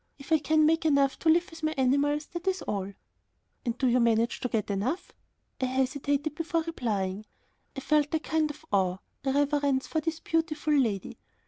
If I can make enough to live with my animals, that is all." "And do you manage to get enough?" I hesitated before replying. I felt a kind of awe, a reverence for this beautiful lady.